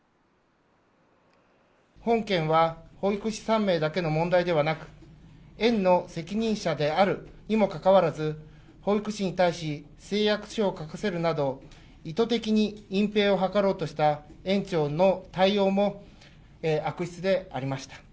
本件は保育士３名だけの問題ではなく、園の責任者であるにもかかわらず、保育士に対し誓約書を書かせるなど、意図的に隠蔽を図ろうとした園長の対応も悪質でありました。